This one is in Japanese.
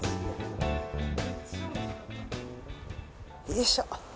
よいしょ。